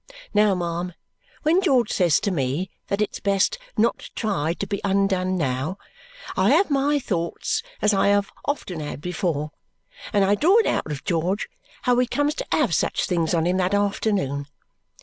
Now, ma'am, when George says to me that it's best not tried to be undone now, I have my thoughts as I have often had before, and I draw it out of George how he comes to have such things on him that afternoon.